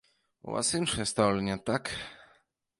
У вас іншае стаўленне, так?